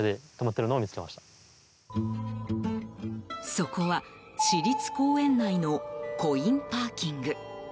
そこは、市立公園内のコインパーキング。